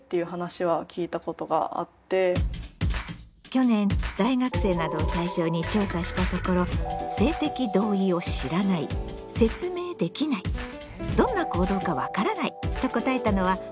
去年大学生などを対象に調査したところ性的同意を知らない説明できないどんな行動か分からないと答えたのは半数以上。